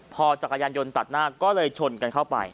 พอจักรยานยนต์ตัดหน้าก็เลยชนกันเข้าไป